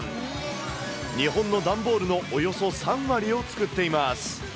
日本の段ボールのおよそ３割を作っています。